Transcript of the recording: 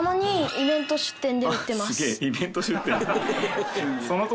イベント出店で。